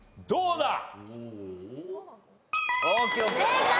どうだ？